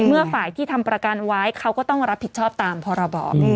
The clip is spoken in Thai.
เมื่อฝ่ายที่ทำประกันไว้เขาก็ต้องรับผิดชอบตามพรบ